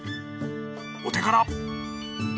お手柄！